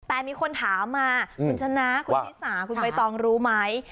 แต่มีคนถามมาคุณชนะคุณชิสาคุณใบตองรู้ไหม